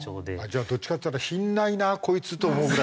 じゃあどっちかっつったら「品ないなこいつ」と思うぐらい？